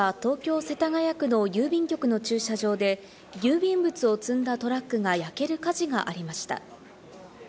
今朝、東京・世田谷区の郵便局の駐車場で郵便物を積んだトラックが焼ける火事がありました。